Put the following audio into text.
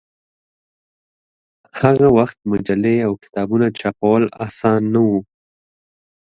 هغه وخت مجلې او کتابونه چاپول اسان نه و.